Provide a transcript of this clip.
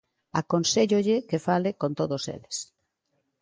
Aconséllolle que fale con todos eles.